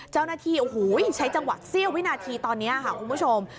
เจ้าหน้าที่โอ้โหใช้จังหวะเสี้ยววินาทีตอนนี้ค่ะคุณผู้ชม